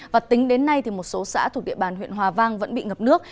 và tính đến nay một số xã thuộc địa bàn huyện hòa vang vẫn bị ngập nước